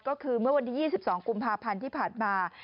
ก็คือเมื่อวันที่๒๒กุมภาพันธ์ที่ผ่านมา